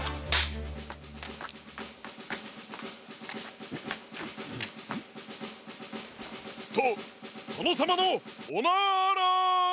カチン！ととのさまのおなら！